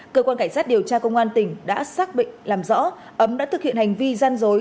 cơ quan cảnh sát điều tra công an tỉnh đã xác định làm rõ ấm đã thực hiện hành vi gian dối